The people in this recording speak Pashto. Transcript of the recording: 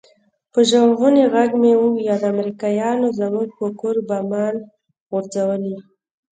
په ژړغوني ږغ مې وويل امريکايانو زموږ پر کور بمان غورځولي.